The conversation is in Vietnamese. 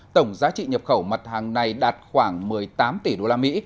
tổng giá trị nhập khẩu mặt hàng này đạt khoảng một mươi tám tỷ đô la mỹ